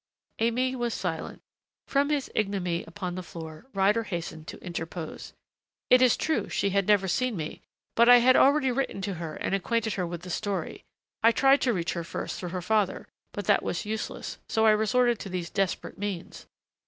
Aimée was silent. From his ignominy upon the floor Ryder hastened to interpose. "It is true she had never seen me, but I had already written to her and acquainted her with the story. I tried to reach her first through her father but that was useless so I resorted to these desperate means."